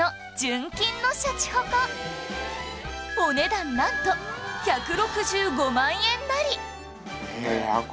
お値段なんと１６５万円なり